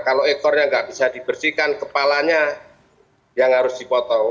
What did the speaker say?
kalau ekornya nggak bisa dibersihkan kepalanya yang harus dipotong